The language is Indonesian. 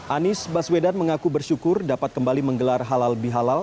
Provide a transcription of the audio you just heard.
anies baswedan mengaku bersyukur dapat kembali menggelar halal bihalal